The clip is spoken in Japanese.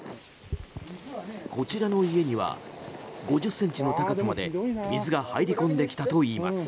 こちらの家には５０ｃｍの高さまで水が入り込んできたといいます。